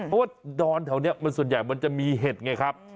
เพราะว่าดอนแถวนี้ส่วนใหญ่มันจะมีเห็ดไงครับ